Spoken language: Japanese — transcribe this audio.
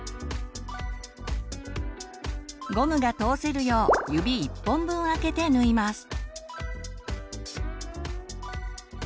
ゴムが通せるよう指１本分空けて縫います。